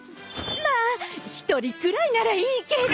まあ一人くらいならいいけど。